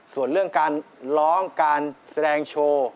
ส่วนเรื่องการร้องการแสดงโชว์